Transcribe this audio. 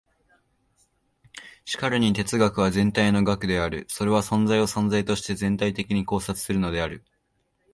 しかるに哲学は全体の学である。それは存在を存在として全体的に考察するのである。